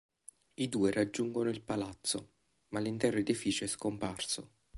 I due raggiungono il palazzo, ma l'intero edificio è scomparso.